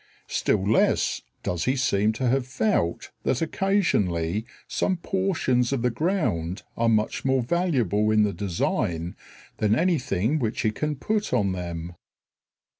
Still less does he seem to have felt that occasionally some portions of the ground are much more valuable in the design than anything which he can put on them.